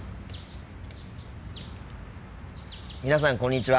皆さんこんにちは。